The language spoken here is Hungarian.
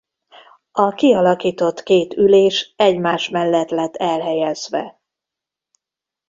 A kialakított két ülés egymás mellett lett elhelyezve.